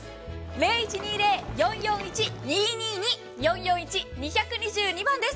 ０１２０‐４４１‐２２２４４１‐２２２番です。